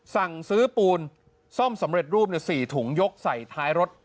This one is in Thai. สั่งซื้อปูนซ่อมสำเร็จรูป๔ถุงยกใส่ท้ายรถ